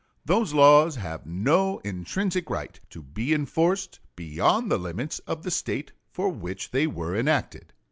Those laws have no intrinsic right to be enforced beyond the limits of the State for which they were enacted.